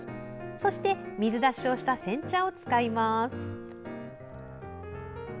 そして、水出しをした煎茶を使います。